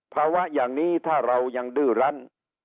ภาวะอย่างนี้ถ้าเรายังดื้อรั้น